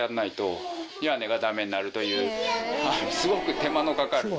すごく手間のかかる。